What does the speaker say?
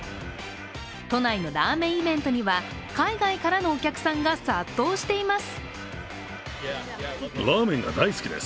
都内のラーメンイベントには海外からのお客さんが殺到しています。